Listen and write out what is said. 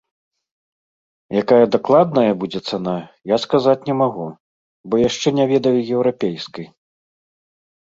Якая дакладная будзе цана, я сказаць не магу, бо яшчэ не ведаю еўрапейскай.